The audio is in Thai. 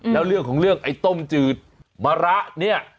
แล้วเรื่องของเรื่องไอ้ต้มจืดมะระเนี่ย